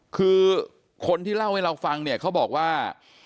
คือคนที่เล่าให้เราฟังเนี่ยเขาบอกว่า